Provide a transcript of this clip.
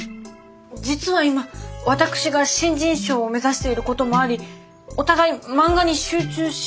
実は今私が新人賞を目指していることもありお互い漫画に集中しようと話してまして。